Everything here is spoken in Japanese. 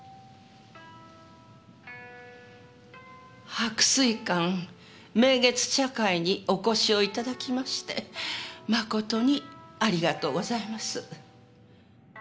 白水館名月茶会にお越しを頂きまして誠にありがとうございます。